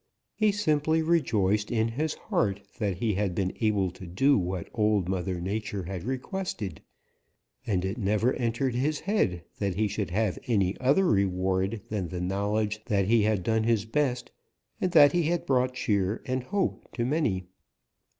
He simply rejoiced in his heart that he had been able to do what Old Mother Nature had requested, and it never entered his head that he should have any other reward than the knowledge that he had done his best and that he had brought cheer and hope to many.